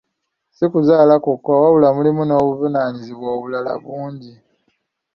Si kuzaala kwokka, wabula mulimu n'obuvunaaanyizibwa obulala bungi.